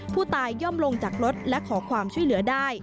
ย่อมลงจากรถและขอความช่วยเหลือได้